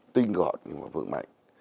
tinh gọn nhưng mà vững mạnh